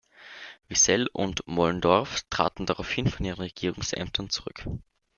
Wissell und Moellendorff traten daraufhin von ihren Regierungsämtern zurück.